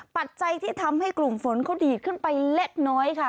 ปัจจัยที่ทำให้กลุ่มฝนเขาดีดขึ้นไปเล็กน้อยค่ะ